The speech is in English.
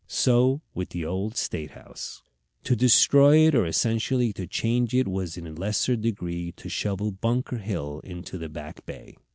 So with the old State house. To destroy it or essentially to change it was in a lesser degree to shovel Bunker Hill into the Back Bay.